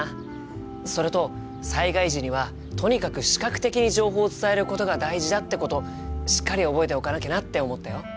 それと災害時にはとにかく視覚的に情報を伝えることが大事だってことしっかり覚えておかなきゃなって思ったよ。